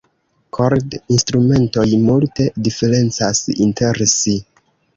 Kord-instrumentoj multe diferencas inter si.